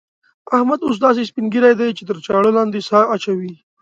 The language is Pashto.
احمد اوس داسې سپين ږيری دی چې تر چاړه لاندې سا اچوي.